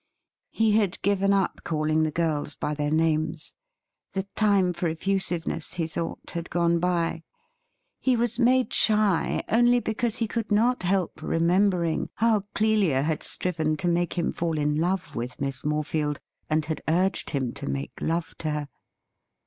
He had given up calling the girls by their names. The time for effusiveness, he thought, had gone by He was made shy only because he could not help remembering how Clelia had striven to make him fall in love with Miss Morefield and had urged him to make love to her.